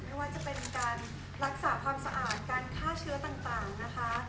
ไม่ว่าจะเป็นการรักษาความสะอาดการฆ่าเชื้อต่างนะคะ